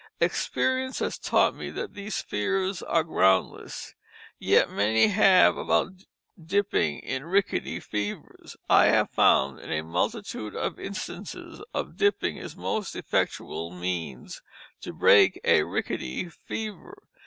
Experience has taught me that these fears are groundless, yt many have about diping in Rickety Fevers; I have found in a multitude of Instances of diping is most effectual means to break a Rickety Fever.